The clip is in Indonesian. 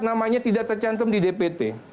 namanya tidak tercantum di dpt